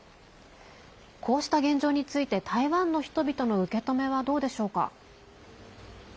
こうした現状について台湾の人々の受け止めはどうでしょうか？